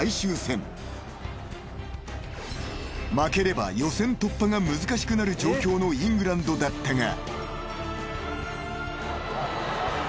［負ければ予選突破が難しくなる状況のイングランドだったが］